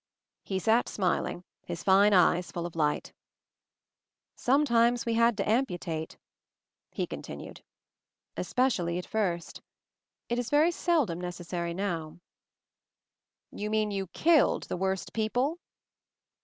He sat smiling, his fine eyes full of light. "Sometimes we had to amputate," he con tinued, "especially at first. It is very sel dom necessary now." "You mean you killed the worst peo ple?"